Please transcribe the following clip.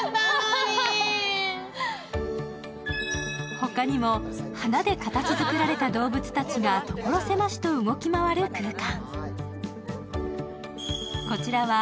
他にも、花で形づくられた動物たちが所狭しと動き回る空間。